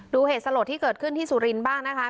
เหตุสลดที่เกิดขึ้นที่สุรินทร์บ้างนะคะ